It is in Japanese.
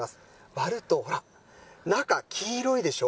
割るとほら、中、黄色いでしょ。